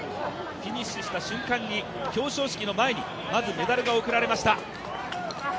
フィニッシュした瞬間に表彰式の前にまずメダルが贈られました。